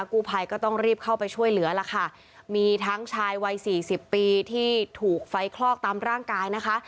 กู้ภัยก็ต้องรีบเข้าไปช่วยเหลือล่ะค่ะมีทั้งชายวัยสี่สิบปีที่ถูกไฟคลอกตามร่างกายนะคะ